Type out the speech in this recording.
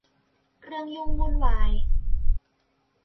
เรื่องยุ่งวุ่นวาย